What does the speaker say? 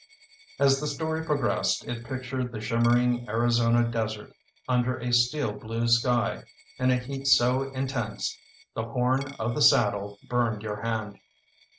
As the story progressed it pictured the shimmering Arizona desert under a steel blue sky, in a heat so intense "the horn of the saddle burned your hand".